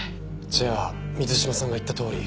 じゃあ水島さんが言ったとおり。